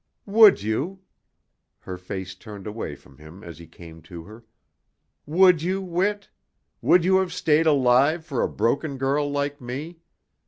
"Would you?" Her face turned away from him as he came to her. "Would you, Whit? Would you have stayed alive for a broken girl like me?